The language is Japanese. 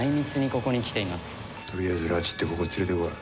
とりあえず拉致ってここに連れてこい。